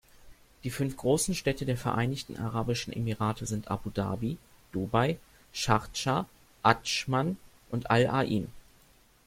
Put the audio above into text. Die fünf großen Städte der Vereinigten Arabischen Emirate sind Abu Dhabi, Dubai, Schardscha, Adschman und Al-Ain.